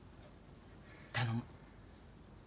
頼む。